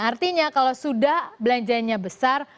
artinya kalau sudah belanjanya besar